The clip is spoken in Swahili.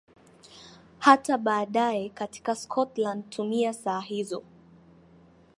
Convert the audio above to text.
hata baadaye katika Scotland Tumia saa hizo